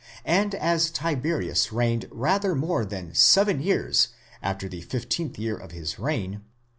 * and as Tiberius reigned rather more than seven years after the fifteenth year of his reign